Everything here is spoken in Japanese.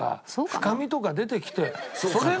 深みとか出てきて。